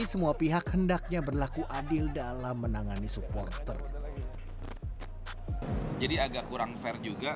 semua pihak hendaknya berlaku adil dalam menangani supporter jadi agak kurang fair juga